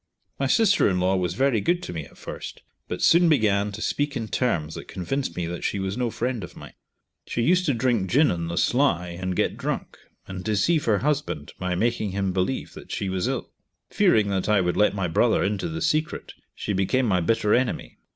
My sister in law was very good to me at first, but soon began to speak in terms that convinced me that she was no friend of mine. She used to drink gin on the sly, and get drunk, and deceive her husband by making him believe that she was ill. Fearing that I would let my brother into the secret, she became my bitter enemy.